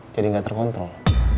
jadi gak terkontrol